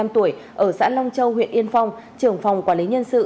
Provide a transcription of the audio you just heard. bốn mươi năm tuổi ở xã long châu huyện yên phong trưởng phòng quản lý nhân sự